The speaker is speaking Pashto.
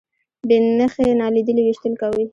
بې نښې نالیدلي ویشتل کوي.